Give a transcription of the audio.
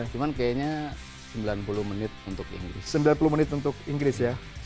cuma kayaknya sembilan puluh menit untuk inggris